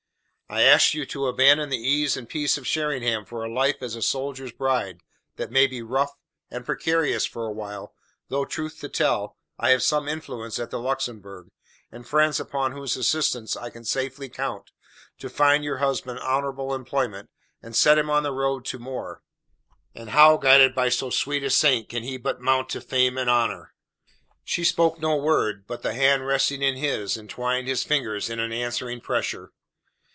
"I ask you to abandon the ease and peace of Sheringham for a life as a soldier's bride that may be rough and precarious for a while, though, truth to tell, I have some influence at the Luxembourg, and friends upon whose assistance I can safely count, to find your husband honourable employment, and set him on the road to more. And how, guided by so sweet a saint, can he but mount to fame and honour?" She spoke no word, but the hand resting in his entwined his fingers in an answering pressure.